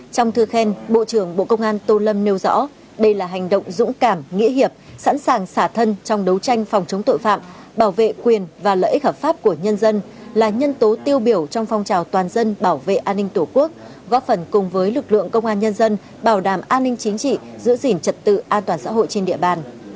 trong thư khen bộ trưởng bộ công an tô lâm nêu rõ đây là hành động dũng cảm nghĩa hiệp sẵn sàng xả thân trong đấu tranh phòng chống tội phạm bảo vệ quyền và lợi ích hợp pháp của nhân dân là nhân tố tiêu biểu trong phong trào toàn dân bảo vệ an ninh tổ quốc góp phần cùng với lực lượng công an nhân dân bảo đảm an ninh chính trị giữ gìn trật tự an toàn xã hội trên địa bàn